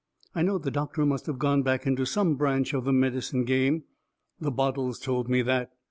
I knowed the doctor must of gone back into some branch of the medicine game the bottles told me that.